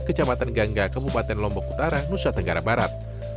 kecamatan gangga kabupaten lombok utara nusa tenggara barat